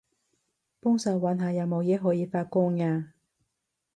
幫手搵下有冇嘢可以發光吖